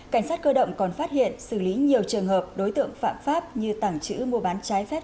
cảnh sát cơ động còn phát hiện xử lý nhiều trường hợp đối tượng phạm pháp như tàng trữ mua bán trái phép